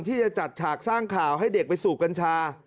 ที่จะจัดฉากสร้างข่าวให้เด็กไปสูบกัญชา